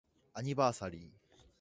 アニバーサリー